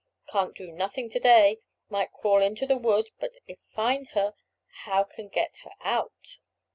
Can't do nothing to day; might crawl into the wood; but if find her how can get her out?